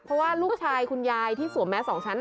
เพราะว่าลูกชายคุณยายที่สวมแมส๒ชั้น